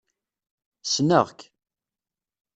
Ssneɣ-k.